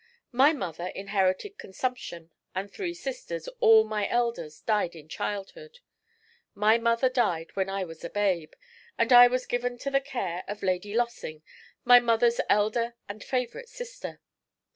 'My mother inherited consumption, and three sisters, all my elders, died in childhood. My mother died when I was a babe, and I was given to the care of Lady Lossing, my mother's elder and favourite sister.